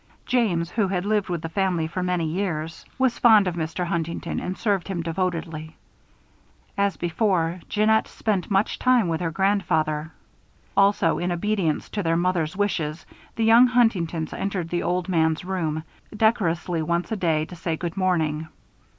James, who had lived with the family for many years, was fond of Mr. Huntington and served him devotedly. As before, Jeannette spent much time with her grandfather. Also, in obedience to their mother's wishes, the young Huntingtons entered the old man's room, decorously, once a day to say good morning.